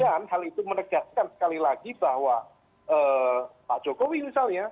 dan hal itu menegaskan sekali lagi bahwa pak jokowi misalnya